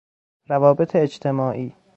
روابط اجتماعی